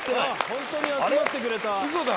ホントに集まってくれた。